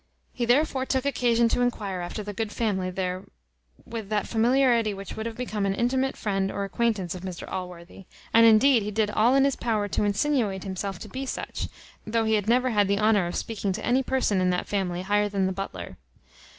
He therefore took occasion to enquire after the good family there with that familiarity which would have become an intimate friend or acquaintance of Mr Allworthy; and indeed he did all in his power to insinuate himself to be such, though he had never had the honour of speaking to any person in that family higher than the butler.